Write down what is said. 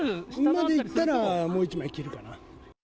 までいったら、もう１枚着るかな。